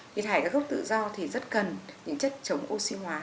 khi thải các gốc tự do thì rất cần những chất chống oxy hóa